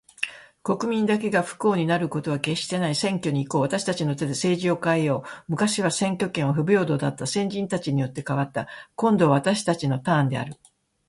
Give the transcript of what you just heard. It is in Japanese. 国民だけが不幸になることは決してない。選挙に行こう。私達の手で政治を変えよう。昔は選挙権は不平等だった。先人たちによって、変わった。今度は私達のターンである。